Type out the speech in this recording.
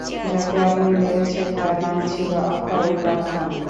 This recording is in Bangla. যাকে আপনি মেরেছেন, তার নাম ছিলো আতা-উল্লাহ খান।